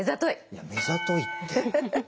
いや目ざといって。